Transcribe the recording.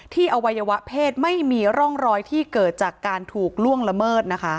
อวัยวะเพศไม่มีร่องรอยที่เกิดจากการถูกล่วงละเมิดนะคะ